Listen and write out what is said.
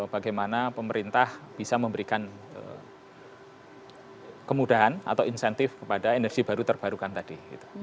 bagaimana pemerintah bisa memberikan kemudahan atau insentif kepada energi baru terbarukan tadi